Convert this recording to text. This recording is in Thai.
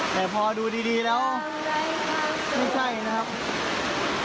แต่พอดูดีแล้วไม่ใช่นะครับ